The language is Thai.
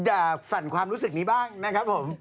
ฝั่นความรู้สึกนี้บ้างนะครับผม